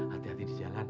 hati hati di jalan